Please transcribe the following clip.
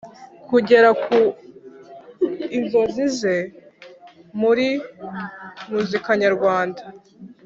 kugera ku nzozi ze muri muzikanyarwanda